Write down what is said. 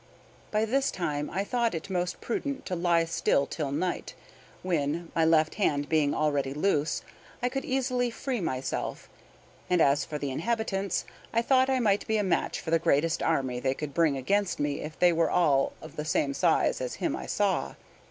By this time I thought it most prudent to lie still till night, when, my left hand being already loose, I could easily free myself; and as for the inhabitants, I thought I might be a match for the greatest army they could bring against me if they were all of the same size as him I saw.